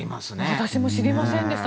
私も知りませんでした。